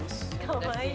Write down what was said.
かわいい。